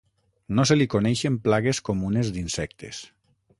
No se li coneixen plagues comunes d'insectes.